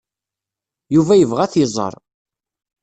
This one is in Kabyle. Yuba yebɣa ad t-iẓer.